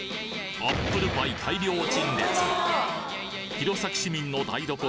アップルパイ弘前市民の台所